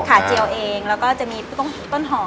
เจียวเองแล้วก็จะมีต้นหอม